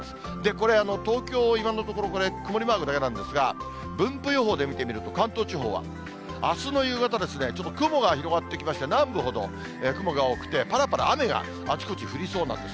これ、東京、今のところこれ、曇りマークだけなんですが、分布予報で見てみると、関東地方はあすの夕方、ちょっと雲が広がってきまして、南部ほど、雲が多くて、ぱらぱら雨があちこち降りそうなんです。